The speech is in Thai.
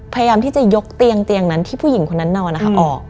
พยายามที่จะยกเตียงเตียงนั้นที่ผู้หญิงคนนั้นนอนนะคะออก